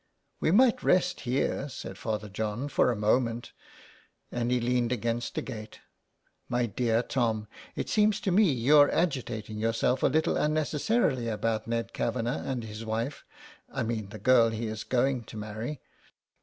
We might rest here," said Father John, " for a moment," and he leaned against a gate. " My dear Tom, it seems to me you're agitating yourself a little unnecessarily about Ned Kavanagh and his wife — I mean the girl he is going to marry."